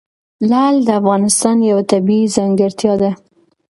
لعل د افغانستان یوه طبیعي ځانګړتیا ده.